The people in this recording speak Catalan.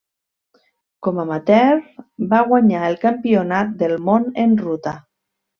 Com amateur, va guanyar el Campionat del món en ruta.